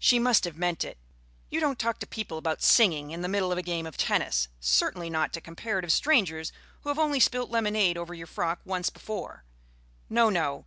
She must have meant it. You don't talk to people about singing in the middle of a game of tennis; certainly not to comparative strangers who have only spilt lemonade over your frock once before. No, no.